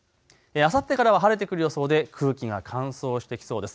あさってからは晴れてくる予想で空気が乾燥してきそうです。